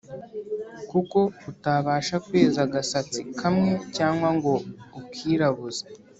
kuko utabasha kweza agasatsi kamwe cyangwa ngo ukirabuze